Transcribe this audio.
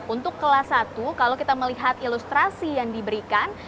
untuk kelas satu kalau kita melihat ilustrasi yang diberikan